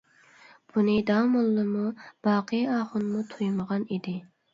بۇنى داموللىمۇ، باقى ئاخۇنمۇ تۇيمىغان ئىدى.